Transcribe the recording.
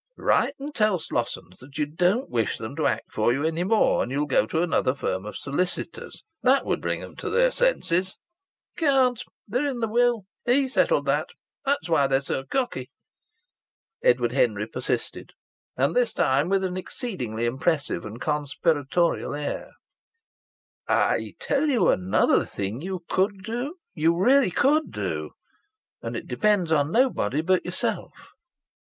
"Write and tell Slossons that you don't wish them to act for you any more, and you'll go to another firm of solicitors. That would bring 'em to their senses." "Can't! They're in the will. He settled that. That's why they're so cocky." Edward Henry persisted and this time with an exceedingly impressive and conspiratorial air: "I tell you another thing you could do you really could do and it depends on nobody but yourself."